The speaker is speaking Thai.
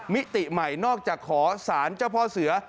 มิติใหม่นอกจากขอสารเจ้าพ่อเสือ